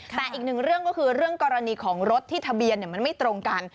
แต่อีกหนึ่งเรื่องก็คือเรื่องกรณีของรถที่ทะเบียนมันไม่ตรงกัน